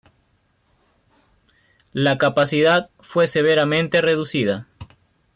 La capacidad fue severamente reducida.